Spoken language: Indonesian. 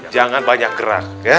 jangan banyak gerak ya